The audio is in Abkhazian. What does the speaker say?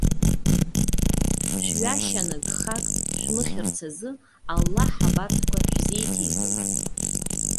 Шәҩашьаны гхак шәмыхьырц азы Аллаҳ абарҭқәа шәзеиҭеиҳәоит.